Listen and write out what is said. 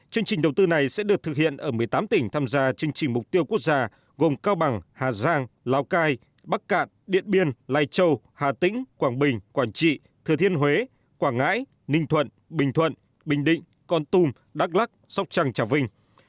chương trình đầu tư này sẽ được thực hiện ở một mươi tám tỉnh tham gia chương trình mục tiêu quốc gia gồm cao bằng hà giang lào cai bắc cạn điện biên lai châu hà tĩnh quảng bình quảng trị thừa thiên huế quảng ngãi ninh thuận bình thuận bình định con tum đắk lắc sóc trăng trà vinh